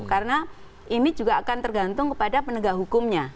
karena ini juga akan tergantung kepada penegak hukumnya